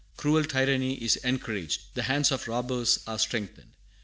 Cruel tyranny is encouraged. The hands of robbers are strengthened.